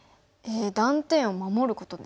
断点を守ることですか？